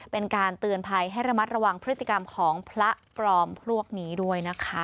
เป็นการเตือนภัยให้ระมัดระวังพฤติกรรมของพระปลอมพวกนี้ด้วยนะคะ